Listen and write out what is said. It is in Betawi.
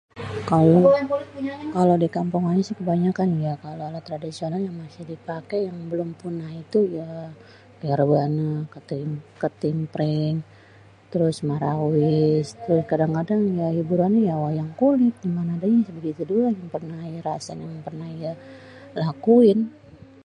kalo, kalo dikampung ayé si kebanyakan ni ya, kalo alat tradisional yang masi dipaké yang belum punah itu ya, kaya robanéh, ketimpring, trus marawis, ya kadang-kadang ya hiburannyé yaa wayang kulit gimané adényé si begitu doang yang pernéh ayé rasé yang pérnéh ayé lakuin.